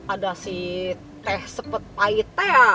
ada si teh sepet pahit teh ya